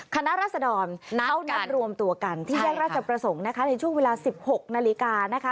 คณะรัศดรเขานัดรวมตัวกันที่แยกราชประสงค์นะคะในช่วงเวลา๑๖นาฬิกานะคะ